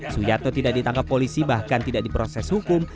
suyarto tidak ditangkap polisi bahkan tidak diproses hukum